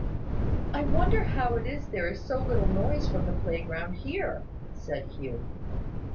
"I wonder how it is there is so little noise from the playground here," said Hugh.